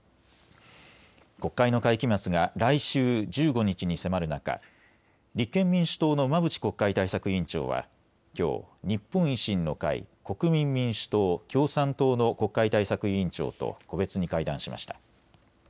国会の会期末が来週１５日に迫る中、立憲民主党の馬淵国会対策委員長はきょう日本維新の会、国民民主党、共産党の国会対策委員長と個別に会談しました。